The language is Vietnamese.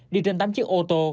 đi trên tám chiếc ô tô